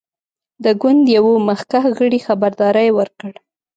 د ګوند یوه مخکښ غړي خبرداری ورکړ.